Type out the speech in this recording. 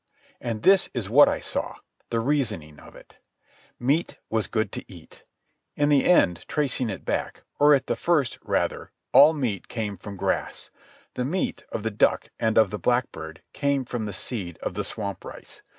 And this is what I saw, the reasoning of it: Meat was good to eat. In the end, tracing it back, or at the first, rather, all meat came from grass. The meat of the duck and of the blackbird came from the seed of the swamp rice.